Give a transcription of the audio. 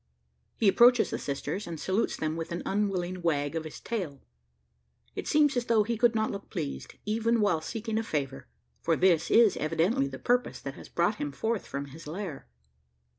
He approaches the sisters, and salutes them with an unwilling wag of his tail. It seems as though he could not look pleased, even while seeking a favour for this is evidently the purpose that has brought him forth from his lair.